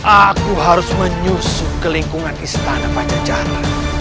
aku harus menyusup ke lingkungan istana pajajaran